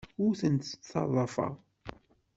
Ur tent-ttaḍḍafeɣ.